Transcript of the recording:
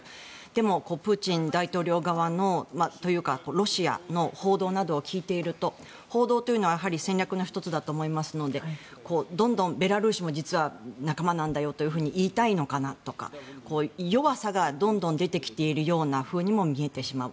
でも、プーチン大統領側というかロシアの報道を聞いていると報道というのは、やはり戦略の１つだと思いますのでどんどんベラルーシも実は仲間なんだよと言いたいのかなとか弱さがどんどん出てきているようなふうにも見えてしまう。